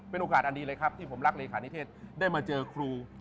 เป็นโอกาสอันดีเลยครับที่ผมรักเลขานิเทศได้มาเจอครู